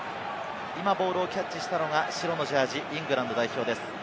今ボールをキャッチしたのが白のジャージー、イングランド代表です。